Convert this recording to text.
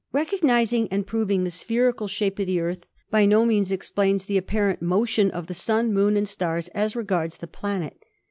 Recognising and proving the spherical shape of the 154 ASTRONOMY Earth by no means explains the apparent motion of the Sun, Moon and stars as regards the planet.